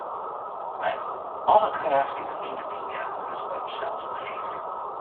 Mei alle krêft dy't er yn him hie, luts er himsels omheech.